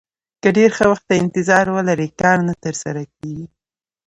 که ډېر ښه وخت ته انتظار ولرئ کار نه ترسره کېږي.